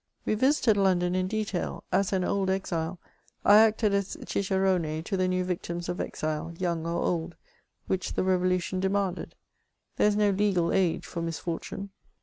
We visited London in detail ; as an old exile, I acted as cicerone to the new victims of exile, young or old, which the Revolution demanded ; there is no legal age for misfortune.